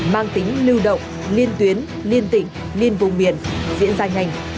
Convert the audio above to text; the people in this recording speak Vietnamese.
mang tính lưu động liên tuyến liên tỉnh liên vùng miền diễn ra nhanh